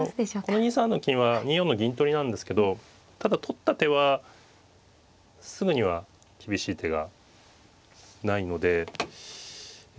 ２三の金は２四の銀取りなんですけどただ取った手はすぐには厳しい手がないのでえ